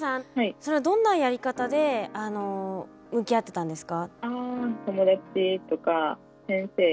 それはどんなやり方で向き合ってたんですか？